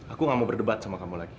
aku gak mau berdebat sama kamu lagi